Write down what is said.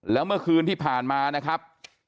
แล้วเมื่อคืนที่ผ่านมานะครับ